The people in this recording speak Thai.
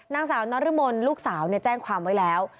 นางสาวน้อเรื้อมนลูกสาวเนี่ยแจ้งความไว้แล้ว